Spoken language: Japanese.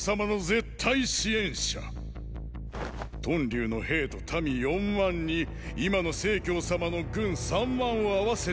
屯留の兵と民四万に今の成様の軍三万を合わせて七万！